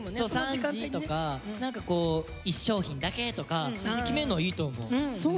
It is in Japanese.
３時とか何かこう１商品だけとか決めるのはいいと思う。